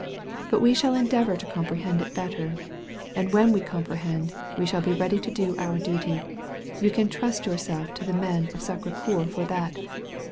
But we shall endeavor to comprehend it better. And when we comprehend, we shall be ready to do our duty — you can trust yourself to the men of SdcrS Cceur for that.